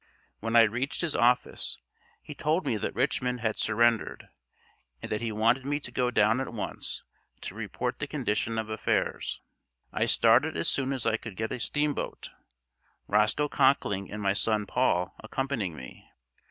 When I reached his office, he told me that Richmond had surrendered, and that he wanted me to go down at once to report the condition of affairs. I started as soon as I could get a steamboat, Roscoe Conkling and my son Paul accompanying me.